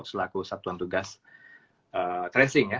selaku satuan tugas tracing ya